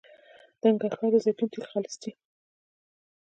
د ننګرهار د زیتون تېل خالص دي